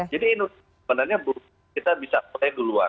jadi ini sebenarnya kita bisa mulai duluan